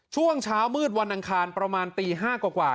ช่วงเช้ามืดวันอังคารประมาณตี๕กว่า